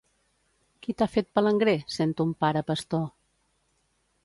Qui t'ha fet palangrer, sent ton pare pastor?